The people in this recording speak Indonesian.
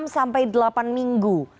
enam sampai delapan minggu